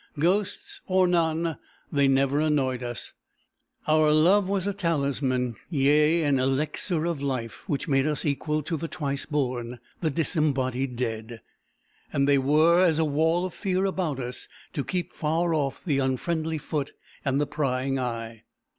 Ghosts or none, they never annoyed us. Our love was a talisman, yea, an elixir of life, which made us equal to the twice born, the disembodied dead. And they were as a wall of fear about us, to keep far off the unfriendly foot and the prying eye.